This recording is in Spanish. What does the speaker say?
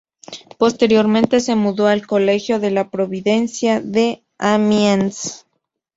Posteriormente se mudó al Colegio de la Providencia, de Amiens.